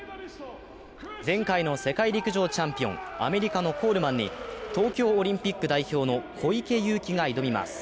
前回の世界陸上チャンピオン、アメリカのコールマンに東京オリンピック代表の小池祐貴が挑みます。